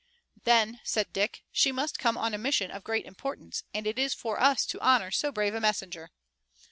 "Then," said Dick, "she must come on a mission of great importance and it is for us to honor so brave a messenger."